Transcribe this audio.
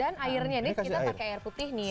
dan airnya ini kita pakai air putih nih ya